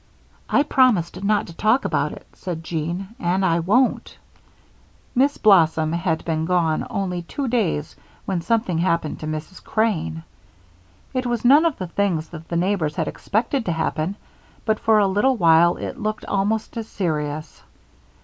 "I promised not to talk about it," said Jean, "and I won't." Miss Blossom had been gone only two days when something happened to Mrs. Crane. It was none of the things that the neighbors had expected to happen, but for a little while it looked almost as serious.